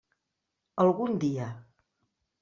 Algun dia.